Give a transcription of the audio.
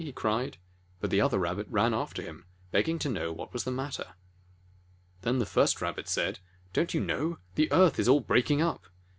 he cried. But the other Rabbit ran after him, begging to know what was the matter. The lion Then the first Rabbit said: "Don't you know? The earth is all breaking up